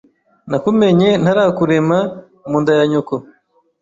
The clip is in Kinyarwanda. Nakumenye ntarakurema mu nda ya nyoko